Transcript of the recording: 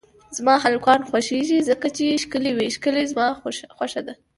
زما هلکان خوښیږی ځکه چی ښکلی وی ښکله زما خوشه ده